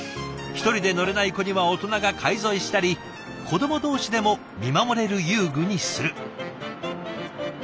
１人で乗れない子には大人が介添えしたり子ども同士でも見守れる遊具にする。